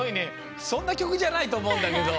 そんなきょくじゃないとおもうんだけど。